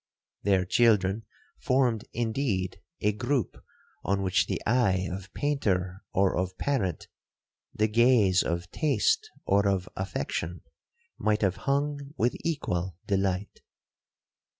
Their children formed indeed a groupe on which the eye of painter or of parent, the gaze of taste or of affection, might have hung with equal delight.